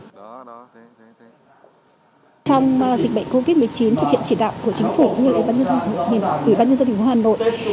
trong dịch bệnh covid một mươi chín thực hiện chỉ đạo của chính phủ như bởi bản nhân gia đình của hà nội